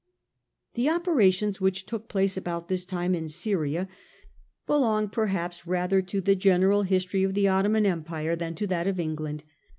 The operations which took place about this time in Syria belong perhaps rather to the general history of the Ottoman Empire than to that of England.